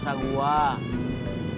surat surat moto